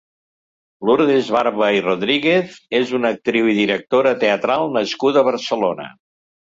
Lurdes Barba i Rodríguez és una actriu i directora teatral nascuda a Barcelona.